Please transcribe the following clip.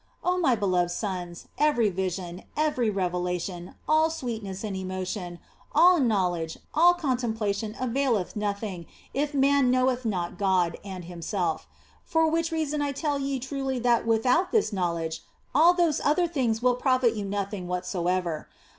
Oh my beloved sons, every vision, every revelation, all sweetness and emotion, all knowledge, all contemplation availeth nothing if man knoweth not God and himself ; for which reason I tell ye truly that without this know ledge all those other things will profit you nothing what soever.